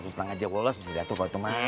bisa ngajak bolos bisa jatuh kalau itu mah